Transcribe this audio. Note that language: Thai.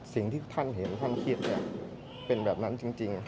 สิ่งที่ท่านเห็นท่านคิดเป็นแบบนั้นจริง